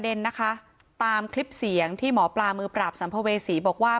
นะคะตามคลิปเสียงที่หมอปลามือปราบสัมภเวษีบอกว่า